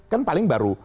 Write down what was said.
kan paling baru